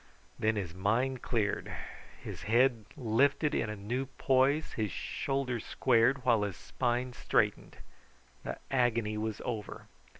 Then his mind cleared. His head lifted in a new poise, his shoulders squared, while his spine straightened. The agony was over.